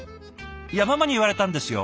「いやママに言われたんですよ。